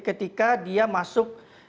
ketika dia masuk